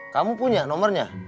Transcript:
kamu punya nomernya